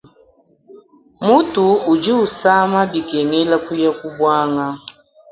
Mutu udi usama bikengela kuya ku buanga.